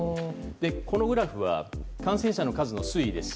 このグラフは感染者の数の推移です。